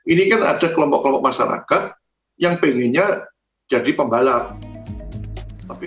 ini kan ada kelompok kelompok masyarakat yang pengennya jadi pembalap